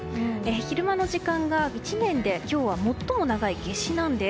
昼間の時間が１年で今日は最も長い夏至なんです。